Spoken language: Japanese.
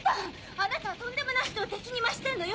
あなたはとんでもない人を敵に回してるのよ。